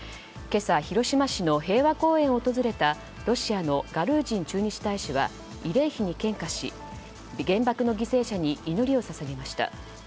今朝、広島市の平和公園を訪れたロシアのガルージン駐日大使は慰霊碑に献花し原爆の犠牲者に祈りを捧げました。